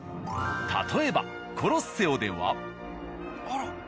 例えばコロッセオでは。